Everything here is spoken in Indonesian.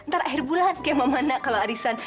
ntar akhir bulan kayak mamanya kalau harisan